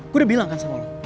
gue udah bilang kan sama lo